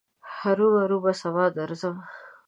هرو مرو به سبا درځم.